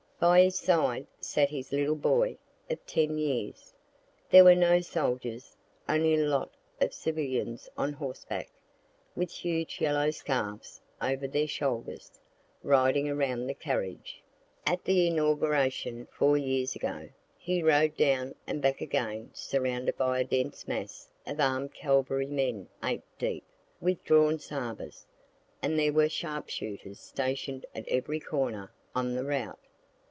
By his side sat his little boy, of ten years. There were no soldiers, only a lot of civilians on horseback, with huge yellow scarfs over their shoulders, riding around the carriage. (At the inauguration four years ago, he rode down and back again surrounded by a dense mass of arm'd cavalrymen eight deep, with drawn sabres; and there were sharpshooters station'd at every corner on the route.)